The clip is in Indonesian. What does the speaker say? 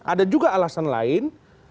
ada juga alasan lain